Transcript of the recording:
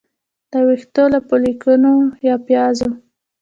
د ویښتو له فولیکونو یا پیازو